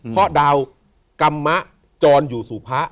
เพราะดาวกรรมมะจรอยู่สู่พระ